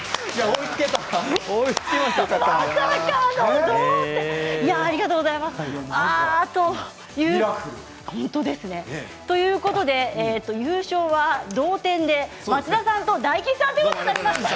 追いつけた！ということで優勝は同点で町田さんと大吉さんということになりました。